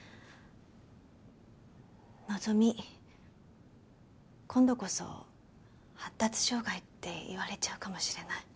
希今度こそ発達障害って言われちゃうかもしれない。